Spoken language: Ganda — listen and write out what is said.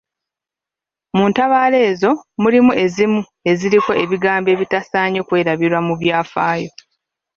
Mu ntabaalo ezo, mulimu ezimu eziriko ebigambo ebitasaanye kwerabirwa mu byafaayo.